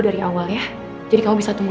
dari awal ya jadi kamu bisa tunggu